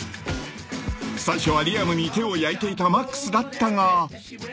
［最初はリアムに手を焼いていたマックスだったが］